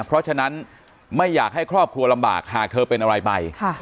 เพราะฉะนั้นไม่อยากให้ครอบครัวลำบากหากเธอเป็นอะไรไป